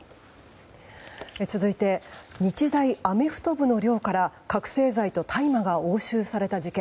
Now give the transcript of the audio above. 続いて日大アメフト部の寮から覚醒剤と大麻が押収された事件。